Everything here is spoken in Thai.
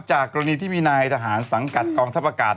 กรณีที่มีนายทหารสังกัดกองทัพอากาศ